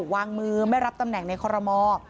วางมือไม่รับตำแหน่งในคอรมอ